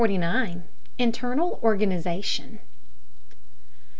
INTERNAL ORGANIZATION.